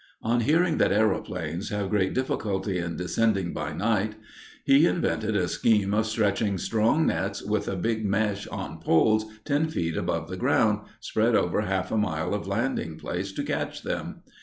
On hearing that aeroplanes have great difficulty in descending by night, he invented a scheme of stretching strong nets with a big mesh on poles ten feet above the ground, spread over half a mile of landing place, to catch them.